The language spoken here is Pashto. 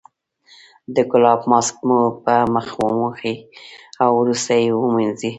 د ګلاب ماسک مو په مخ وموښئ او وروسته یې ومینځئ.